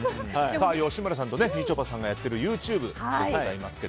吉村さんとみちょぱさんがやっているＹｏｕＴｕｂｅですが。